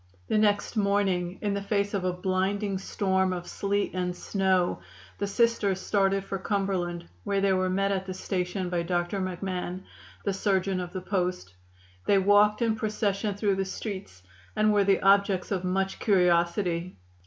The next morning, in the face of a blinding storm of sleet and snow, the Sisters started for Cumberland, where they were met at the station by Dr. McMahon, the surgeon of the post. They walked in procession through the streets, and were the objects of much curiosity.